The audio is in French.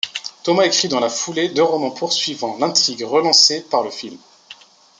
Thomas écrit dans la foulée deux romans poursuivant l'intrigue relancée par le film.